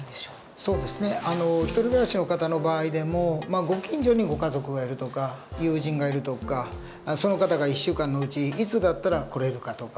そうですね独り暮らしの方の場合でもご近所にご家族がいるとか友人がいるとかその方が１週間のうちいつだったら来れるかとか